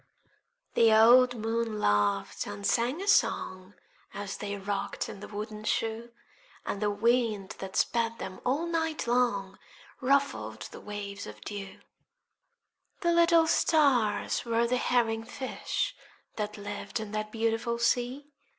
The old moon laughed and sang a song, As they rocked in the wooden shoe; And the wind that sped them all night long Ruffled the waves of dew; The little stars were the herring fish That lived in the beautiful sea.